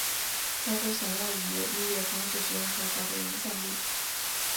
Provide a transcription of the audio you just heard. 她说想要以有意义的方式使用才华和影响力。